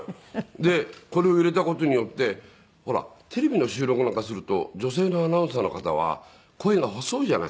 でこれを入れた事によってほらテレビの収録なんかすると女性のアナウンサーの方は声が細いじゃないですか。